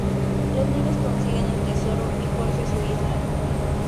Los niños consiguen el tesoro y Jorge su isla.